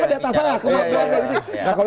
itu kan pak rau